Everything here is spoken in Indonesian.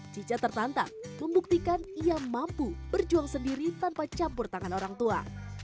cica tertantang membuktikan ia mampu berjuang sendiri tanpa campur tangan orang tua